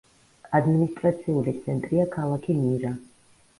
ადმინისტრაციული ცენტრია ქალაქი მირა.